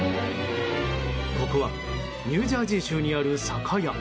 ここはニュージャージー州にある酒屋。